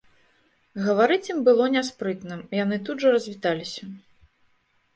Гаварыць ім было няспрытна, яны тут жа развіталіся.